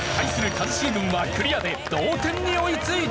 一茂軍はクリアで同点に追いついた！